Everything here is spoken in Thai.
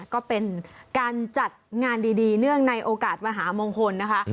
ก็เป็นการจัดงานดีเนื่องในโอกาสมหามงคลนะคะ